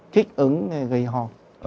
kích ứng gây ho